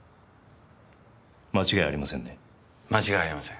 間違いありません。